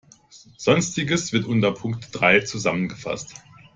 Sonstiges wird unter Punkt drei zusammengefasst.